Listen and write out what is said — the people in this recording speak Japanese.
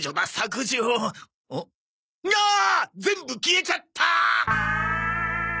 全部消えちゃったー！